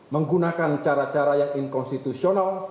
menggunakan cara cara yang inkonstitusional